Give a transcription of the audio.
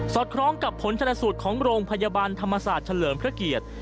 คล้องกับผลชนสูตรของโรงพยาบาลธรรมศาสตร์เฉลิมพระเกียรติ